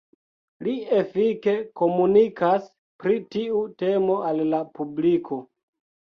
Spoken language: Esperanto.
Li efike komunikas pri tiu temo al la publiko.